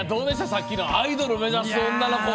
さっきのアイドルを目指す女の子。